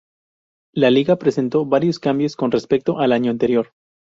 La liga presentó varios cambios con respecto al año anterior.